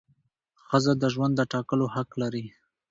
ښځه د ژوند د ټاکلو حق لري.